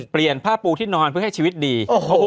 เปลี่ยนผ้าปูที่นอนเพื่อให้ชีวิตดี